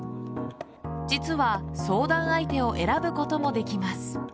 実は相談相手を選ぶこともできます。